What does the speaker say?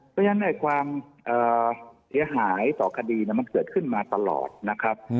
เพราะฉะนั้นความเสียหายต่อคดีมันเกิดขึ้นมาตลอดนะครับ